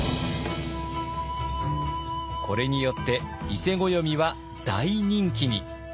これによって伊勢暦は大人気に。